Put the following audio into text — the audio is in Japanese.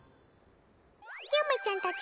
ゆめちゃんたち